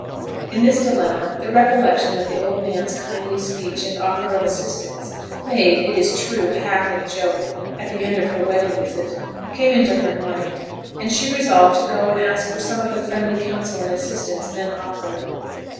In this dilemma, the recollection of the old man's kindly speech and offer of assistance, made, it is true, half in joke, at the end of her wedding visit, came into her mind; and she resolved to go and ask for some of the friendly counsel and assistance then offered.